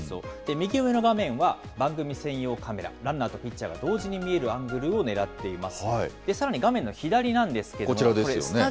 右上の画面は、番組専用カメラ、ランナーとピッチャーが同時に見えるアングルを狙っています。